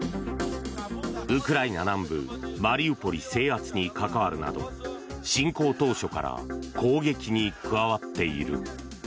ウクライナ南部マリウポリ制圧に関わるなど侵攻当初から攻撃に加わっている。